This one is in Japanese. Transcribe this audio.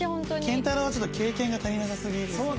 健太郎はちょっと経験が足りなさすぎですね。